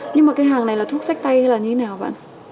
nhưng mà cái hàng này là thuốc sách tay hay là như thế nào bạn